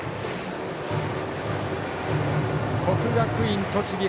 国学院栃木